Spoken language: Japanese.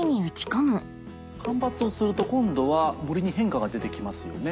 間伐をすると今度は森に変化が出て来ますよね。